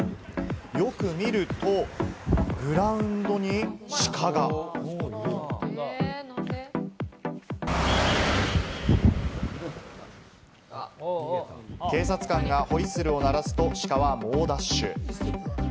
よく見ると、グラウンドに警察官がホイッスルを鳴らすとシカは猛ダッシュ。